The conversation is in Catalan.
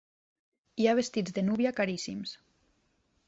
Hi ha vestits de núvia caríssims.